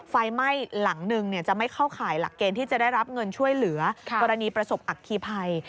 ไฟไหม้หลังหนึ่งจะไม่เข้าข่ายหลักเกณฑ์ที่จะได้รับเงินช่วยเหลือกรณีประสบอัคคีภัย